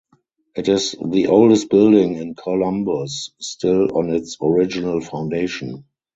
It is the oldest building in Columbus still on its original foundation.